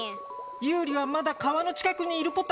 ユウリはまだ川の近くにいるポタ。